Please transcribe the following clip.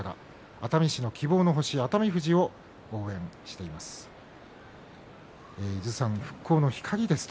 熱海市の希望の星熱海富士を応援しています。